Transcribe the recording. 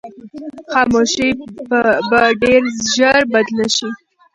خاموشي به ډېر ژر بدله شي.